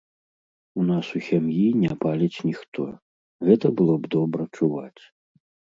У нас у сям'і не паліць ніхто, гэта было б добра чуваць.